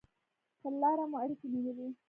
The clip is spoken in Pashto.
پر لاره مو اړیکې نیولې.